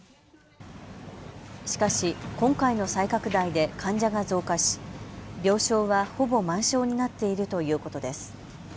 しかし今回の再拡大で患者が増加し病床はほぼ満床になっているということです。